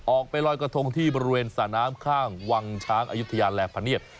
ออกไปลอยกระทงที่บริเวณสระน้ำข้างวังช้างอายุทยาแลกพะเนียด